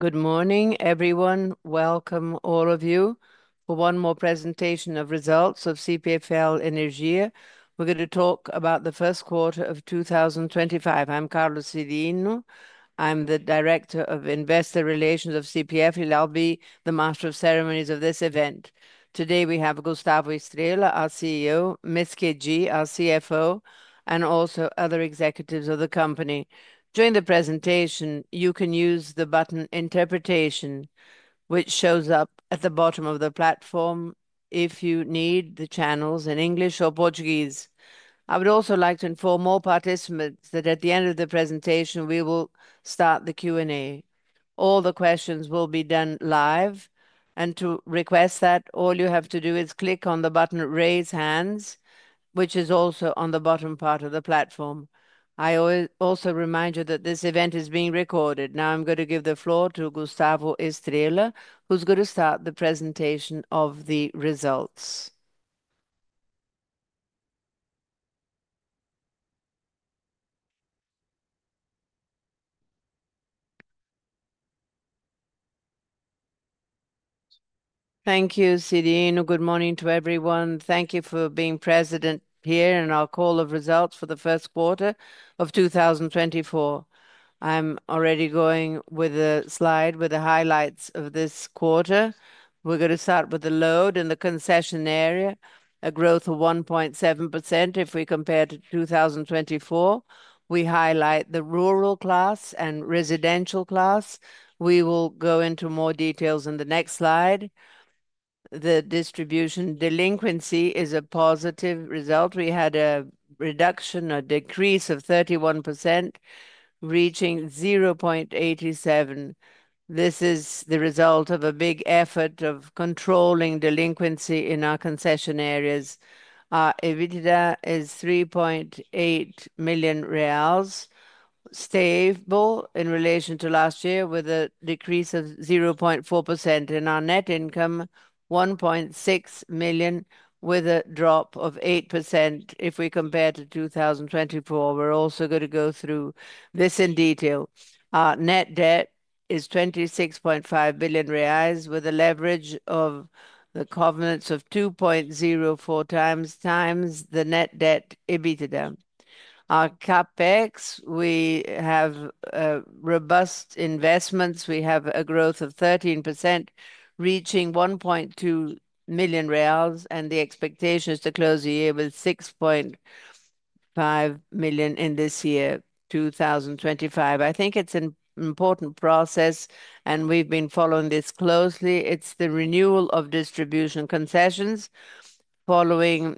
Good morning, everyone. Welcome, all of you, for one more presentation of results of CPFL Energia. We're going to talk about the first quarter of 2025. I'm Carlos Cyrino. I'm the Director of Investor Relations of CPFL, and I'll be the Master of Ceremonies of this event. Today we have Gustavo Estrella, our CEO; Ms. Kedi, our CFO; and also other executives of the company. During the presentation, you can use the button "Interpretation," which shows up at the bottom of the platform if you need the channels in English or Portuguese. I would also like to inform all participants that at the end of the presentation, we will start the Q&A. All the questions will be done live, and to request that, all you have to do is click on the button "Raise Hands," which is also on the bottom part of the platform. I also remind you that this event is being recorded. Now I'm going to give the floor to Gustavo Estrella, who's going to start the presentation of the results. Thank you, Cyrino. Good morning to everyone. Thank you for being president here in our call of results for the first quarter of 2024. I'm already going with a slide with the highlights of this quarter. We're going to start with the load in the concession area, a growth of 1.7% if we compare to 2024. We highlight the rural class and residential class. We will go into more details in the next slide. The distribution delinquency is a positive result. We had a reduction or decrease of 31%, reaching 0.87. This is the result of a big effort of controlling delinquency in our concession areas. Our EBITDA is 3.8 million reais, stable in relation to last year, with a decrease of 0.4% in our net income, 1.6 million, with a drop of 8% if we compare to 2024. We're also going to go through this in detail. Our net debt is 26.5 billion reais, with a leverage of the covenants of 2.04 times the net debt EBITDA. Our CapEx, we have robust investments. We have a growth of 13%, reaching 1.2 million reais, and the expectation is to close the year with 6.5 million in this year, 2025. I think it's an important process, and we've been following this closely. It's the renewal of distribution concessions. Following,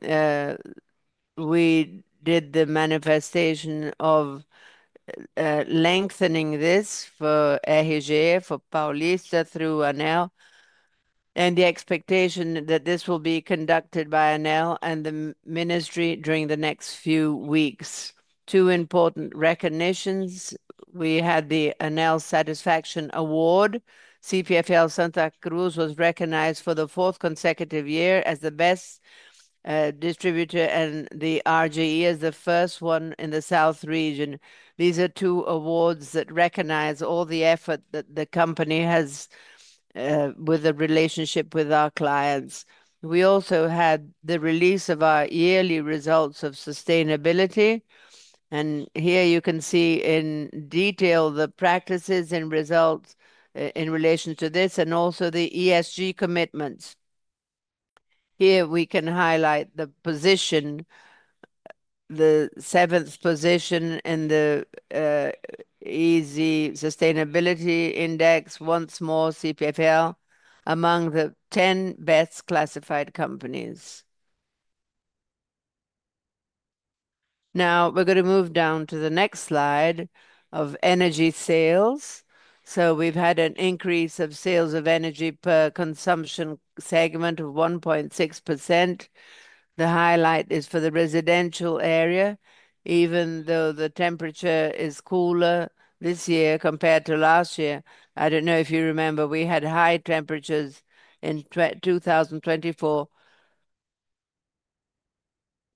we did the manifestation of lengthening this for RGE, for Paulista, through ANEEL, and the expectation that this will be conducted by ANEEL and the Ministry during the next few weeks. Two important recognitions. We had the ANEEL Satisfaction Award. CPFL Santa Cruz was recognized for the fourth consecutive year as the best distributor, and RGE as the first one in the South region. These are two awards that recognize all the effort that the company has with the relationship with our clients. We also had the release of our yearly results of sustainability. Here you can see in detail the practices and results in relation to this, and also the ESG commitments. Here we can highlight the position, the seventh position in the ISE Sustainability Index, once more, CPFL, among the 10 best classified companies. Now we are going to move down to the next slide of energy sales. We have had an increase of sales of energy per consumption segment of 1.6%. The highlight is for the residential area, even though the temperature is cooler this year compared to last year. I don't know if you remember, we had high temperatures in 2024,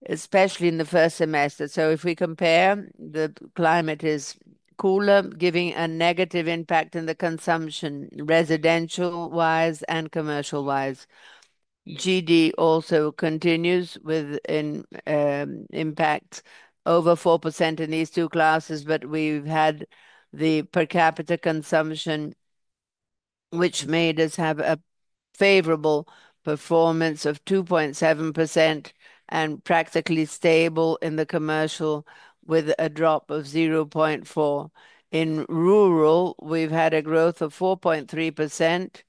especially in the first semester. If we compare, the climate is cooler, giving a negative impact in the consumption, residential-wise and commercial-wise. GD also continues with an impact over 4% in these two classes, but we've had the per capita consumption, which made us have a favorable performance of 2.7% and practically stable in the commercial, with a drop of 0.4%. In rural, we've had a growth of 4.3%,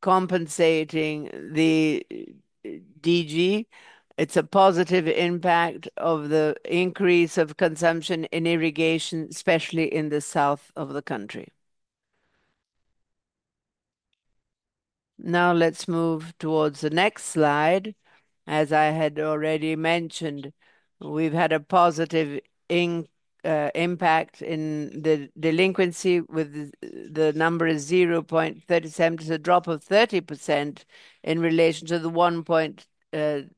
compensating the DG. It's a positive impact of the increase of consumption in irrigation, especially in the south of the country. Now let's move towards the next slide. As I had already mentioned, we've had a positive impact in the delinquency with the number of 0.37%, a drop of 30% in relation to the 1.2%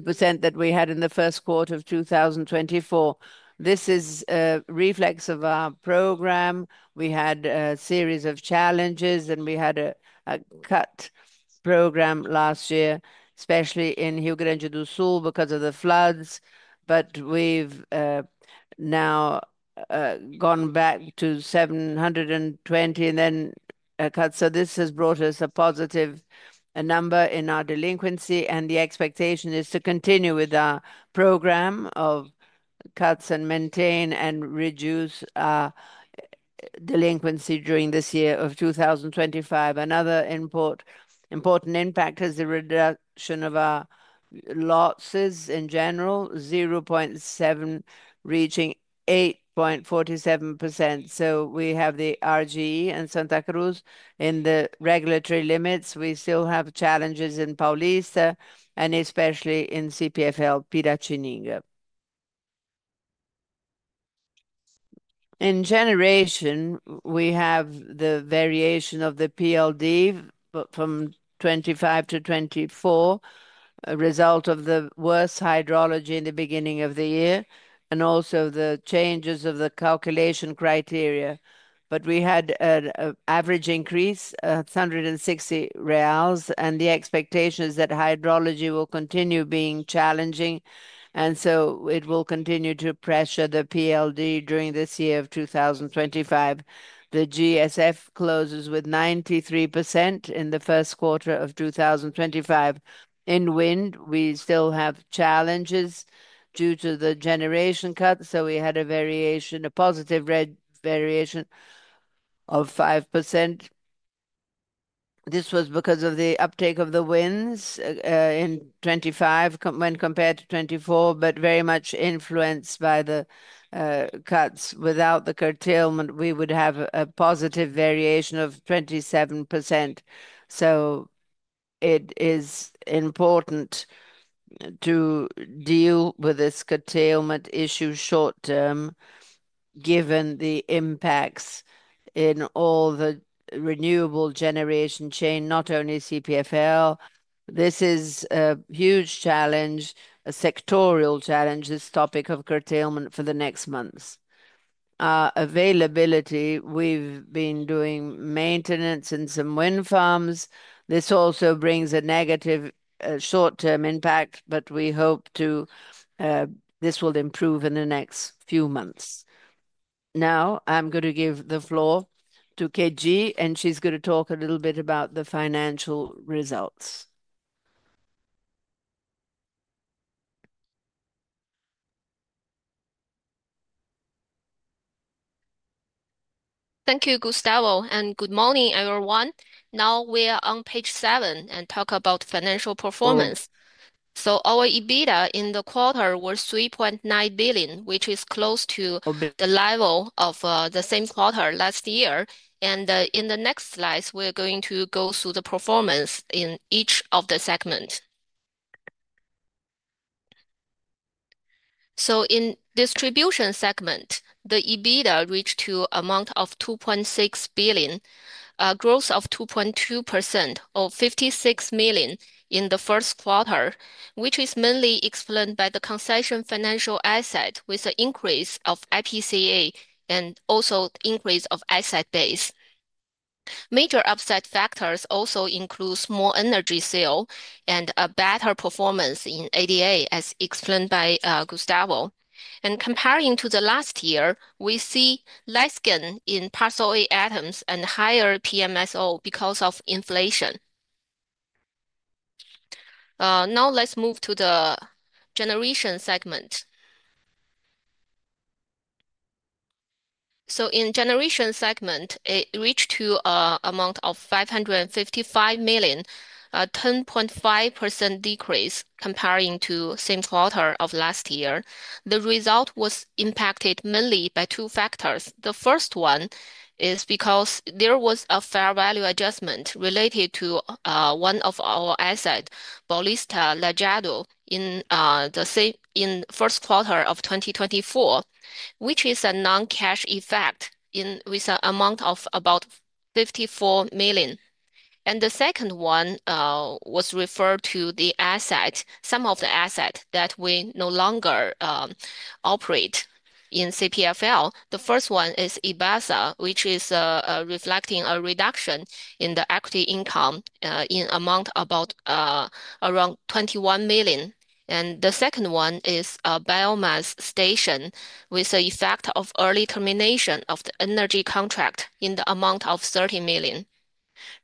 that we had in the first quarter of 2024. This is a reflex of our program. We had a series of challenges, and we had a cut program last year, especially in Rio Grande do Sul because of the floods. We have now gone back to 720 and then a cut. This has brought us a positive number in our delinquency, and the expectation is to continue with our program of cuts and maintain and reduce our delinquency during this year of 2025. Another important impact is the reduction of our losses in general, 0.7%, reaching 8.47%. We have RGE and Santa Cruz in the regulatory limits. We still have challenges in Paulista, and especially in CPFL Piratininga. In generation, we have the variation of the PLD from 25 to 24, a result of the worst hydrology in the beginning of the year, and also the changes of the calculation criteria. We had an average increase of 160 reais, and the expectation is that hydrology will continue being challenging, and it will continue to pressure the PLD during this year of 2025. The GSF closes with 93% in the first quarter of 2025. In wind, we still have challenges due to the generation cut, so we had a variation, a positive red variation of 5%. This was because of the uptake of the winds in 2025 when compared to 2024, but very much influenced by the cuts. Without the curtailment, we would have a positive variation of 27%. It is important to deal with this curtailment issue short-term, given the impacts in all the renewable generation chain, not only CPFL. This is a huge challenge, a sectoral challenge, this topic of curtailment for the next months. Availability, we've been doing maintenance in some wind farms. This also brings a negative short-term impact, but we hope this will improve in the next few months. Now I'm going to give the floor to Kedi, and she's going to talk a little bit about the financial results. Thank you, Gustavo, and good morning, everyone. Now we are on page seven and talk about financial performance. Our EBITDA in the quarter was 3.9 billion, which is close to the level of the same quarter last year. In the next slides, we are going to go through the performance in each of the segments. In the distribution segment, the EBITDA reached an amount of 2.6 billion, a growth of 2.2% or 56 million in the first quarter, which is mainly explained by the concession financial asset with an increase of IPCA and also an increase of asset base. Major upside factors also include more energy sales and a better performance in ADA, as explained by Gustavo. Comparing to last year, we see less gain in parcel A items and higher PMSO because of inflation. Now let's move to the generation segment. In the generation segment, it reached an amount of 555 million, a 10.5% decrease comparing to the same quarter of last year. The result was impacted mainly by two factors. The first one is because there was a fair value adjustment related to one of our assets, Paulista, Lajeado, in the first quarter of 2024, which is a non-cash effect with an amount of about 54 million. The second one was referred to the asset, some of the assets that we no longer operate in CPFL. The first one is BAESA, which is reflecting a reduction in the equity income in an amount of about 21 million. The second one is a biomass station with the effect of early termination of the energy contract in the amount of 30 million.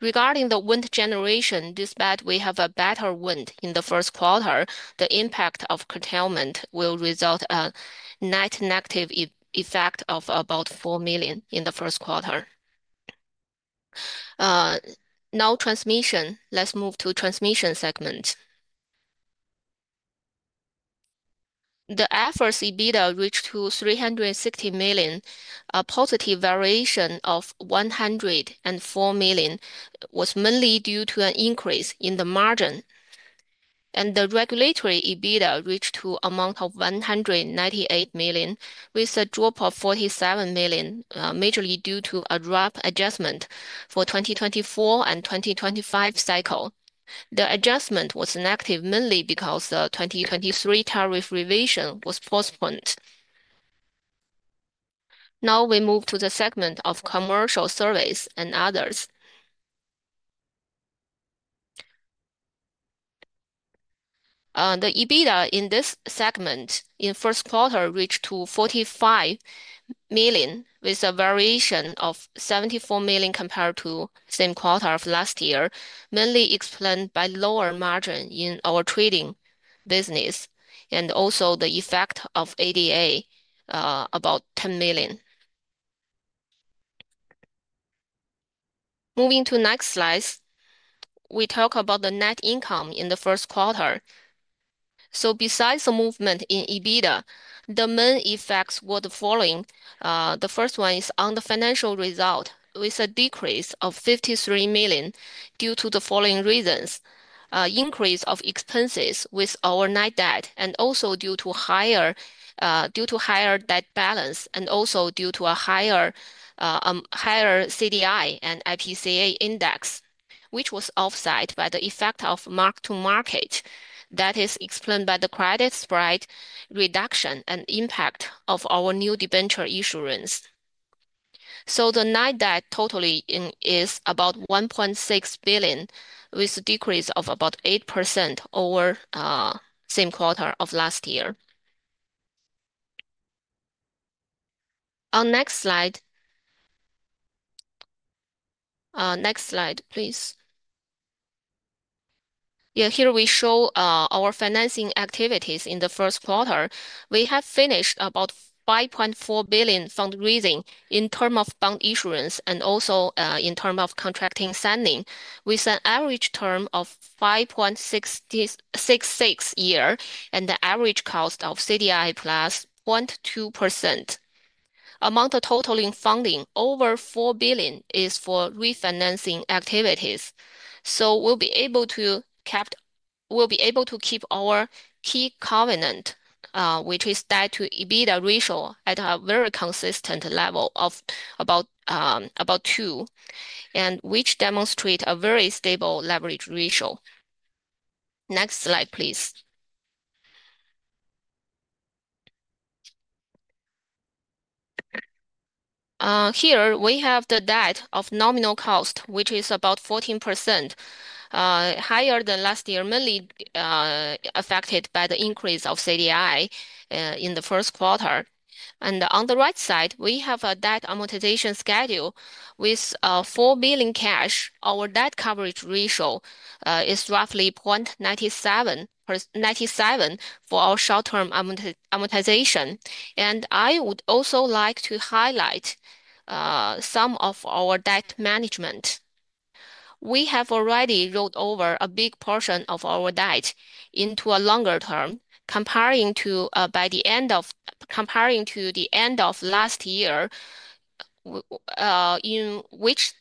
Regarding the wind generation, despite we have a better wind in the first quarter, the impact of curtailment will result in a net negative effect of about 4 million in the first quarter. Now transmission, let's move to the transmission segment. The efforts EBITDA reached 360 million, a positive variation of 104 million, was mainly due to an increase in the margin. The regulatory EBITDA reached an amount of 198 million, with a drop of 47 million, majorly due to a drop adjustment for the 2024 and 2025 cycle. The adjustment was negative mainly because the 2023 tariff revision was postponed. Now we move to the segment of commercial service and others. The EBITDA in this segment in the first quarter reached 45 million, with a variation of 74 million compared to the same quarter of last year, mainly explained by lower margin in our trading business and also the effect of ADA, about BRL 10 million. Moving to the next slides, we talk about the net income in the first quarter. Besides the movement in EBITDA, the main effects were the following. The first one is on the financial result, with a decrease of 53 million due to the following reasons: increase of expenses with our net debt, and also due to higher debt balance, and also due to a higher CDI and IPCA index, which was offset by the effect of mark-to-market that is explained by the credit spread reduction and impact of our new debenture issuance. The net debt totally is about 1.6 billion, with a decrease of about 8% over the same quarter of last year. Our next slide. Next slide, please. Yeah, here we show our financing activities in the first quarter. We have finished about 5.4 billion fundraising in terms of bank issuance and also in terms of contracting signing, with an average term of 5.66 years and the average cost of CDI plus 0.2%. Amount of totaling funding over 4 billion is for refinancing activities. We will be able to keep our key covenant, which is tied to EBITDA ratio at a very consistent level of about 2, which demonstrates a very stable leverage ratio. Next slide, please. Here we have the debt of nominal cost, which is about 14%, higher than last year, mainly affected by the increase of CDI in the first quarter. On the right side, we have a debt amortization schedule with 4 billion cash. Our debt coverage ratio is roughly 0.97 for our short-term amortization. I would also like to highlight some of our debt management. We have already rolled over a big portion of our debt into a longer term, comparing to the end of last year, in which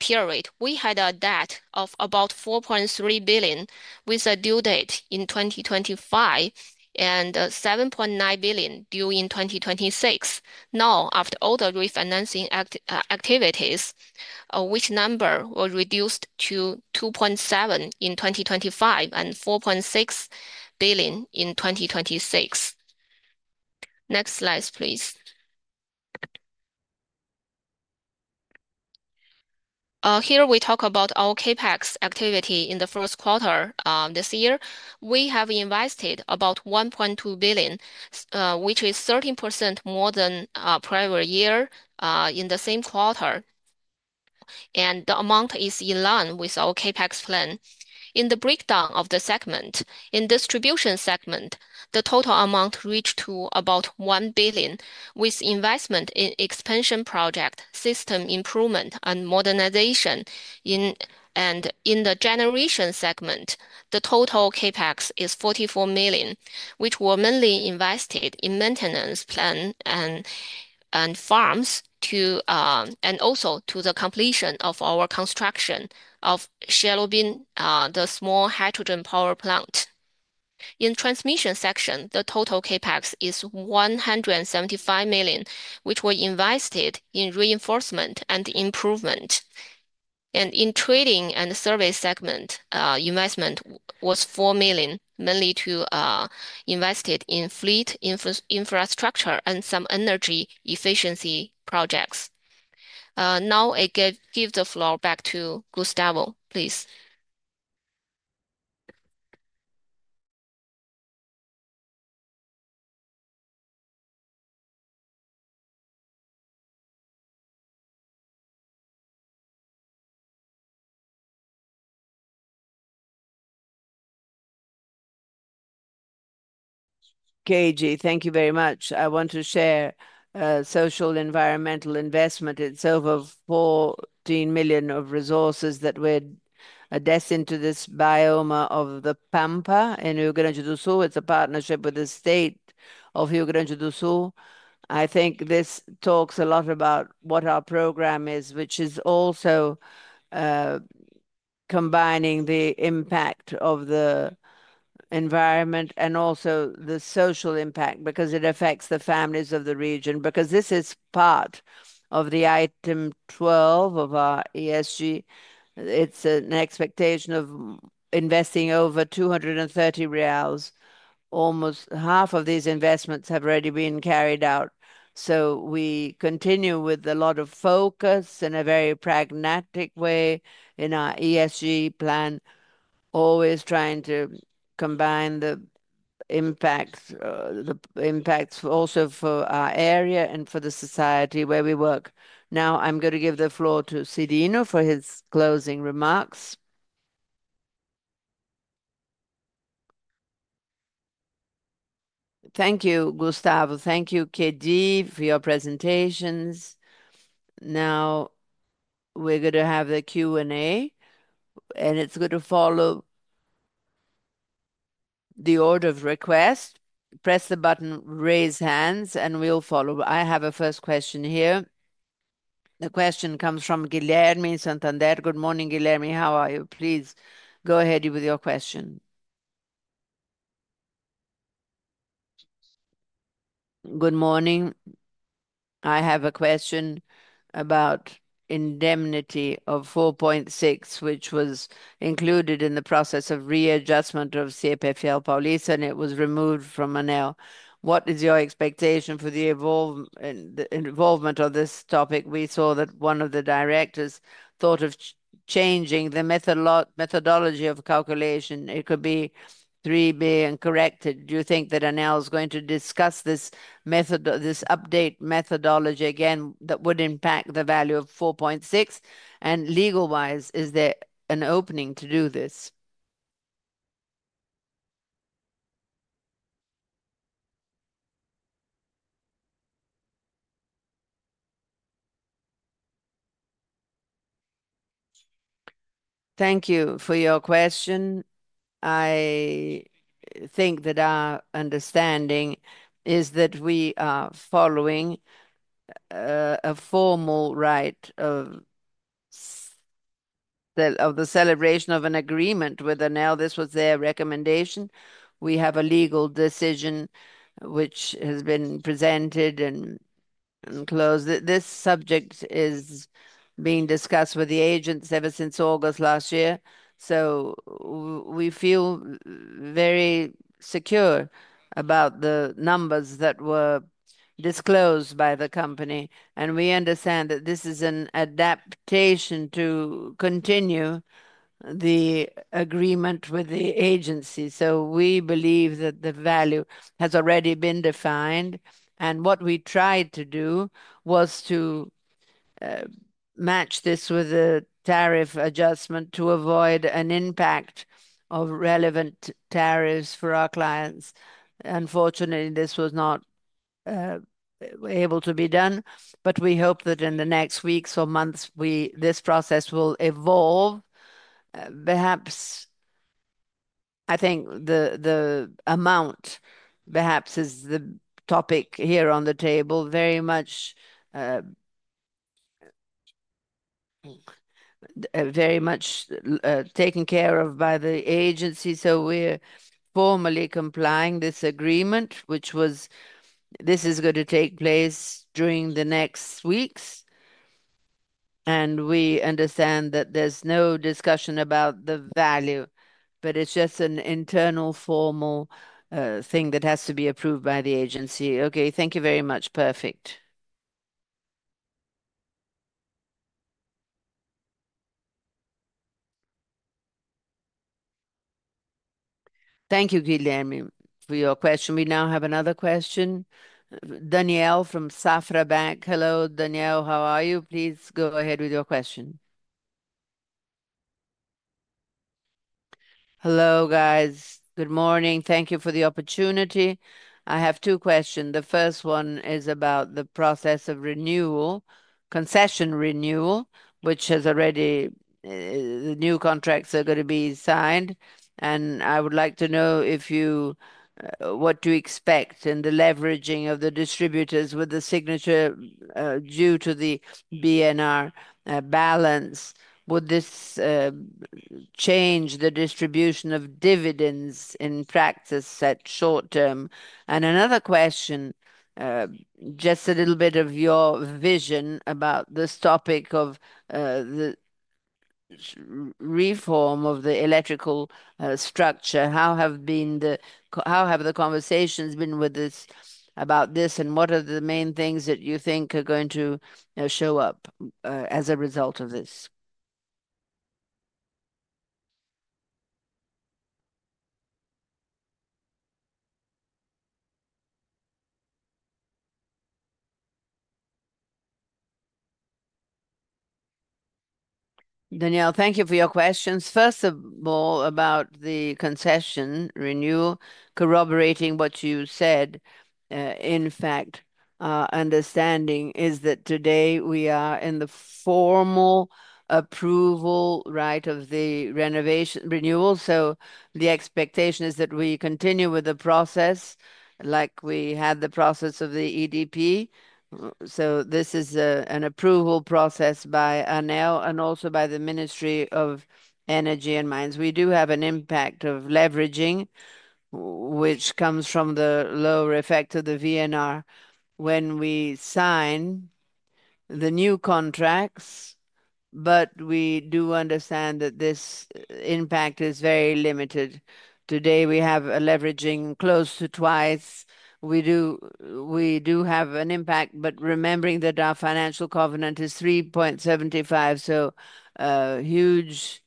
period we had a debt of about 4.3 billion with a due date in 2025 and 7.9 billion due in 2026. Now, after all the refinancing activities, this number was reduced to 2.7 billion in 2025 and 4.6 billion in 2026. Next slide, please. Here we talk about our CapEx activity in the first quarter this year. We have invested about 1.2 billion, which is 13% more than the prior year in the same quarter. The amount is in line with our CapEx plan. In the breakdown of the segment, in the distribution segment, the total amount reached to about 1 billion, with investment in expansion projects, system improvement, and modernization. In the generation segment, the total CapEx is 44 million, which were mainly invested in maintenance plan and farms and also to the completion of our construction of Cherobim, the small hydro power plant. In the transmission section, the total CapEx is 175 million, which were invested in reinforcement and improvement. In trading and service segment, investment was 4 million, mainly to invest in fleet infrastructure and some energy efficiency projects. Now I give the floor back to Gustavo, please. Kedi, thank you very much. I want to share social environmental investment. It is over 14 million of resources that we are destined to this biome of the Pampa in Rio Grande do Sul. It is a partnership with the state of Rio Grande do Sul. I think this talks a lot about what our program is, which is also combining the impact of the environment and also the social impact because it affects the families of the region. Because this is part of the item 12 of our ESG. It is an expectation of investing over 230 million reais. Almost half of these investments have already been carried out. We continue with a lot of focus in a very pragmatic way in our ESG plan, always trying to combine the impacts also for our area and for the society where we work. Now I'm going to give the floor to Cyrino for his closing remarks. Thank you, Gustavo. Thank you, Kedi, for your presentations. Now we're going to have the Q&A, and it's going to follow the order of request. Press the button, raise hands, and we'll follow. I have a first question here. The question comes from Guilherme [from] Santander. Good morning, Guilherme. How are you? Please go ahead with your question. Good morning. I have a question about indemnity of 4.6, which was included in the process of readjustment of CPFL Paulista, and it was removed from ANEEL. What is your expectation for the involvement of this topic? We saw that one of the directors thought of changing the methodology of calculation. It could be 3 billion and corrected. Do you think that ANEEL is going to discuss this update methodology again that would impact the value of 4.6? Legal-wise, is there an opening to do this? Thank you for your question. I think that our understanding is that we are following a formal right of the celebration of an agreement with ANEEL. This was their recommendation. We have a legal decision which has been presented and closed. This subject is being discussed with the agents ever since August last year. We feel very secure about the numbers that were disclosed by the company. We understand that this is an adaptation to continue the agreement with the agency. We believe that the value has already been defined. What we tried to do was to match this with a tariff adjustment to avoid an impact of relevant tariffs for our clients. Unfortunately, this was not able to be done. We hope that in the next weeks or months, this process will evolve. Perhaps I think the amount, perhaps is the topic here on the table, very much taken care of by the agency. We are formally complying with this agreement, which was this is going to take place during the next weeks. We understand that there is no discussion about the value, but it is just an internal formal thing that has to be approved by the agency. Okay, thank you very much. Perfect. Thank you, Guilherme, for your question. We now have another question. Daniella from Banco Safra. Hello, Daniella. How are you? Please go ahead with your question. Hello, guys. Good morning. Thank you for the opportunity. I have two questions. The first one is about the process of renewal, concession renewal, which has already the new contracts are going to be signed. I would like to know if you what to expect in the leveraging of the distributors with the signature due to the VNR balance. Would this change the distribution of dividends in practice at short term? Another question, just a little bit of your vision about this topic of the reform of the electrical structure. How have the conversations been about this and what are the main things that you think are going to show up as a result of this? Daniella, thank you for your questions. First of all, about the concession renewal, corroborating what you said, in fact, our understanding is that today we are in the formal approval right of the renewal. The expectation is that we continue with the process like we had the process of the EDP. This is an approval process by ANEEL and also by the Ministry of Energy and Mines. We do have an impact of leveraging, which comes from the lower effect of the VNR when we sign the new contracts. We do understand that this impact is very limited. Today, we have a leveraging close to twice. We do have an impact, but remembering that our financial covenant is 3.75, so a huge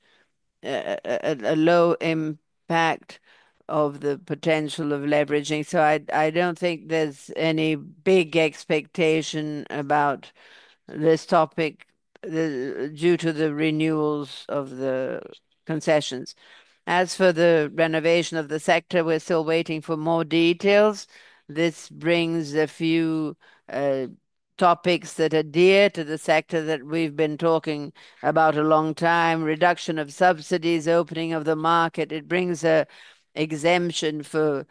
low impact of the potential of leveraging. I do not think there is any big expectation about this topic due to the renewals of the concessions. As for the renovation of the sector, we are still waiting for more details. This brings a few topics that adhere to the sector that we have been talking about a long time, reduction of subsidies, opening of the market. It brings an exemption for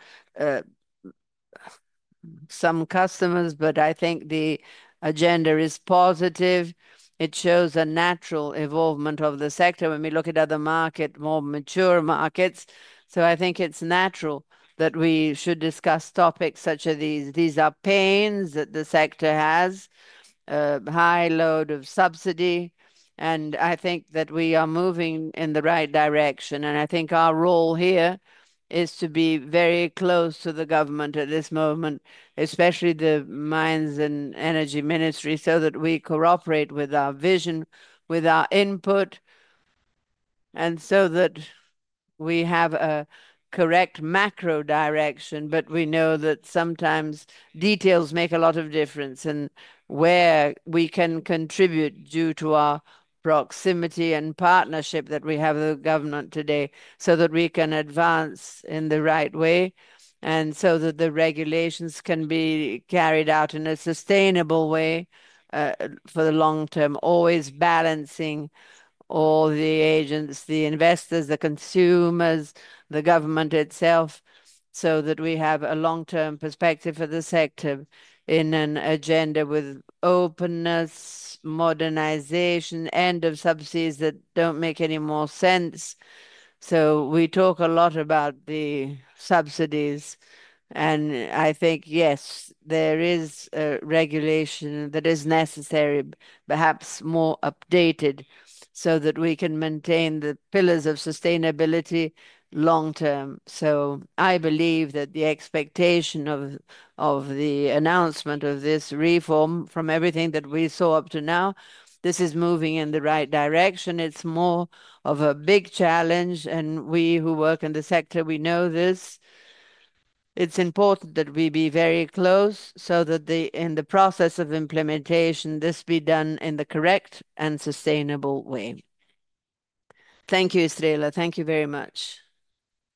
some customers, but I think the agenda is positive. It shows a natural evolvement of the sector when we look at other markets, more mature markets. I think it's natural that we should discuss topics such as these. These are pains that the sector has, a high load of subsidy. I think that we are moving in the right direction. I think our role here is to be very close to the government at this moment, especially the Mines and Energy Ministry, so that we cooperate with our vision, with our input, and so that we have a correct macro direction. We know that sometimes details make a lot of difference in where we can contribute due to our proximity and partnership that we have with the government today so that we can advance in the right way and so that the regulations can be carried out in a sustainable way for the long term, always balancing all the agents, the investors, the consumers, the government itself, so that we have a long-term perspective for the sector in an agenda with openness, modernization, end of subsidies that do not make any more sense. We talk a lot about the subsidies. I think, yes, there is a regulation that is necessary, perhaps more updated, so that we can maintain the pillars of sustainability long term. I believe that the expectation of the announcement of this reform from everything that we saw up to now, this is moving in the right direction. It's more of a big challenge. And we who work in the sector, we know this. It's important that we be very close so that in the process of implementation, this be done in the correct and sustainable way. Thank you, Estrella. Thank you very much.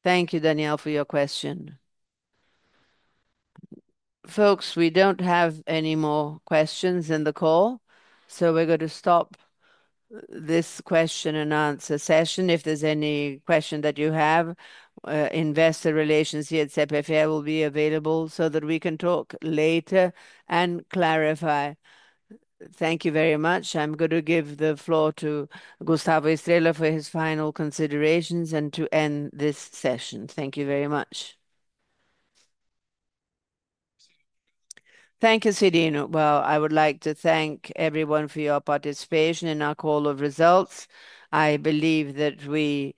Thank you, Daniella, for your question. Folks, we don't have any more questions in the call. We're going to stop this Q&A session. If there's any question that you have, investor relations here at CPFL will be available so that we can talk later and clarify. Thank you very much. I'm going to give the floor to Gustavo Estrella for his final considerations and to end this session. Thank you very much. Thank you, Cyrino. I would like to thank everyone for your participation in our call of results. I believe that we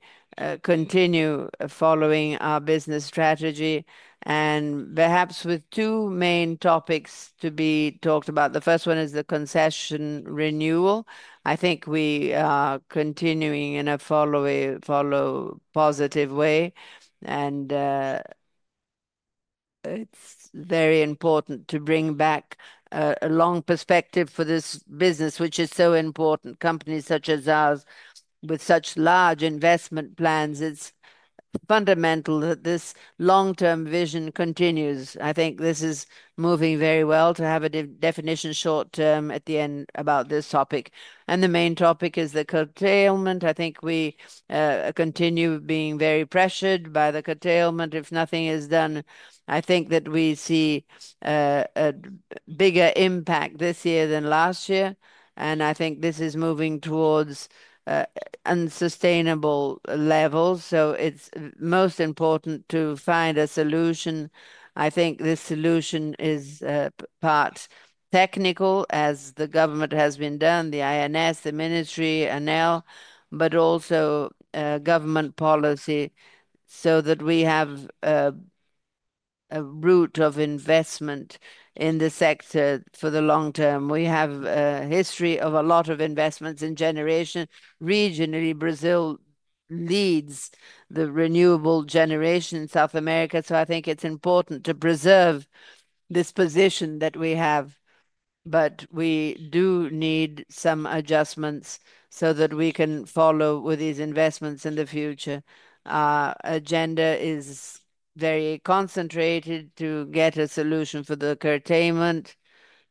continue following our business strategy and perhaps with two main topics to be talked about. The first one is the concession renewal. I think we are continuing in a follow-up positive way. It is very important to bring back a long perspective for this business, which is so important. Companies such as ours, with such large investment plans, it is fundamental that this long-term vision continues. I think this is moving very well to have a definition short term at the end about this topic. The main topic is the curtailment. I think we continue being very pressured by the curtailment. If nothing is done, I think that we see a bigger impact this year than last year. I think this is moving towards unsustainable levels. It's most important to find a solution. I think this solution is part technical, as the government has been doing, the INS, the ministry, ANEEL, but also government policy, so that we have a route of investment in the sector for the long term. We have a history of a lot of investments in generation. Regionally, Brazil leads the renewable generation in South America. I think it's important to preserve this position that we have. We do need some adjustments so that we can follow with these investments in the future. Our agenda is very concentrated to get a solution for the curtailment.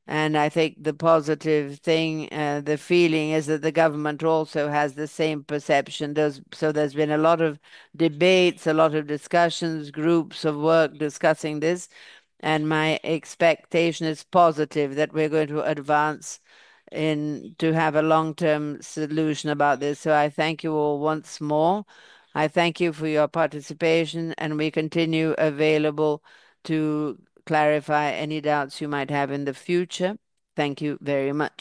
I think the positive thing, the feeling is that the government also has the same perception. There have been a lot of debates, a lot of discussions, groups of work discussing this. My expectation is positive that we're going to advance to have a long-term solution about this. I thank you all once more. I thank you for your participation, and we continue available to clarify any doubts you might have in the future. Thank you very much.